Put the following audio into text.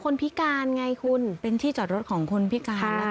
คนพิการไงคุณเป็นที่จอดรถของคนพิการนะคะ